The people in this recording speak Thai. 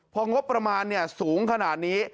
พองบประมาณสูงขนาดนี้